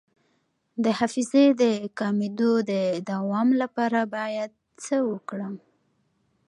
د حافظې د کمیدو د دوام لپاره باید څه وکړم؟